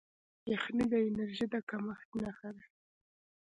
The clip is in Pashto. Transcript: یخني د انرژۍ د کمښت نښه ده.